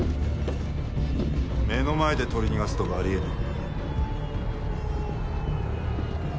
目の前で取り逃がすとかあり得ねえ。